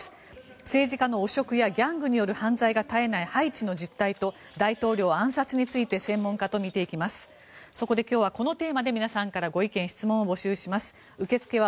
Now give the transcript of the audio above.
政治家の汚職やギャングによる犯罪が絶えないハイチの実態と大統領暗殺について専門家と見て行きます。